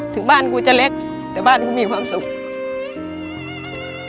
ถึงบ้านกูจะเล็กแต่บ้านกูมีความสุข